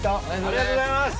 ありがとうございます！